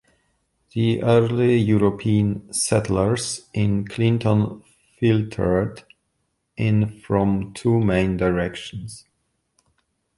The early European settlers in Clinton filtered in from two main directions.